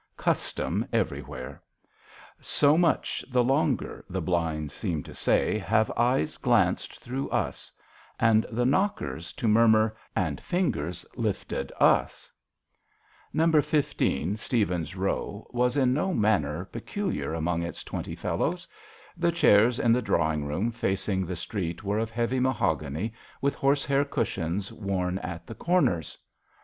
Custom everywhere !" So much the longer," the blinds seem to say, " have eyes glanced through us"; and the knockers to mur mur, " And fingers lifted us." l8 JOHN SHERMAN. No. 15, Stephens' Row, was in no manner peculiar among its twenty fellows. The chairs in the drawing room facing the street were of heavy mahogany with horsehair cushions worn at the corners.